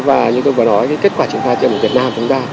và như tôi vừa nói kết quả triển khai tiêm của việt nam